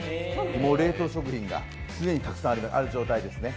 冷凍食品が常にたくさんある状態ですね。